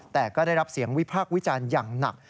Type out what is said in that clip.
แต่ก็ได้รับเสียงวิพากษ์วิจารณ์อย่างหนัก